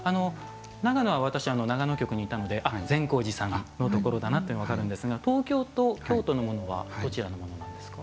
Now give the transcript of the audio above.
長野は私、長野局にいたので善光寺さんのところだなって分かるんですが東京と京都はどちらのものなんですか？